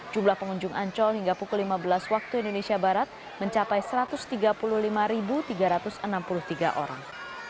jumlah pengunjung ancol hingga pukul lima belas waktu indonesia barat mencapai satu ratus tiga puluh lima tiga ratus enam puluh tiga orang